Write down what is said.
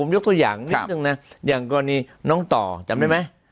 ยกตัวอย่างนิดนึงนะอย่างกรณีน้องต่อจำได้ไหม